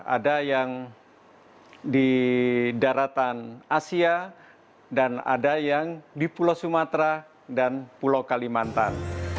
ada yang di daratan asia dan ada yang di pulau sumatera dan pulau kalimantan